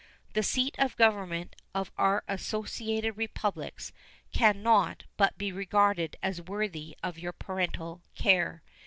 The seat of Government of our associated republics can not but be regarded as worthy of your parental care.